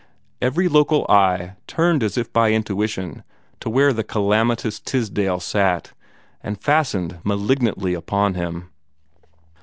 Every local eye turned as by intuition to where the calamitous Tisdale sat, and fastened malignantly upon him.